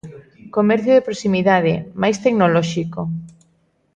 Comercio de proximidade, mais tecnolóxico.